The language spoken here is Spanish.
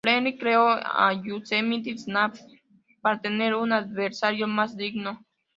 Freleng creó a Yosemite Sam para tener un adversario más digno.